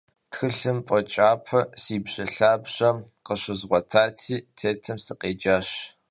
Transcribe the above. Тхылъымпӏэ кӏапэ си бжэ лъабжьэм къыщызгъуэтати, тетым сыкъеджащ.